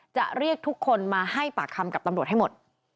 จะเรียกทุกคนมาให้ปากคำกับตำรวจให้หมด